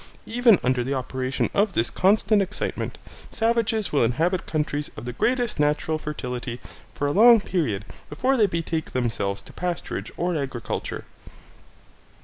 Even under the operation of this constant excitement, savages will inhabit countries of the greatest natural fertility for a long period before they betake themselves to pasturage or agriculture.